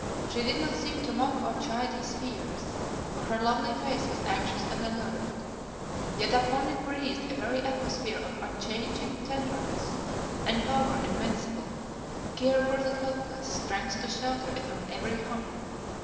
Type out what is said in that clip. She did not seem to mock or chide his fears, for her lovely face was anxious and alert. Yet upon it breathed a very atmosphere of unchanging tenderness and power invincible; care for the helpless, strength to shelter it from every harm.